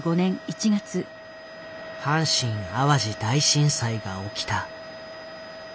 阪神淡路大震災が起きた。